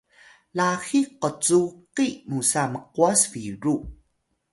laxiy qcuqi musa mqwas biru